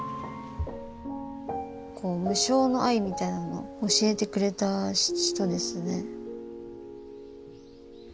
こう無償の愛みたいなのを教えてくれた人ですね。